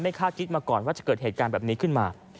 คาดคิดมาก่อนว่าจะเกิดเหตุการณ์แบบนี้ขึ้นมา